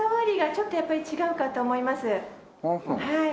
はい。